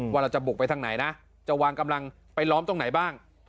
ว่าเราจะบุกไปทางไหนนะจะวางกำลังไปล้อมตรงไหนบ้าง